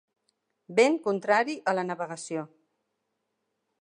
Vent contrari a la navegació.